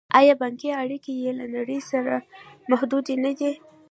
آیا بانکي اړیکې یې له نړۍ سره محدودې نه دي؟